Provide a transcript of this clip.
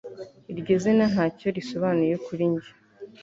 iryo zina ntacyo risobanuye kuri njye